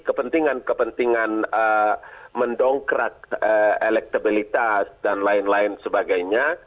kepentingan kepentingan mendongkrak elektabilitas dan lain lain sebagainya